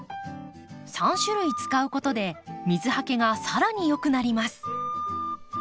３種類使うことで水はけが更によくなります。